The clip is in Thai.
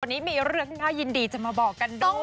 วันนี้มีเรื่องน่ายินดีจะมาบอกกันด้วย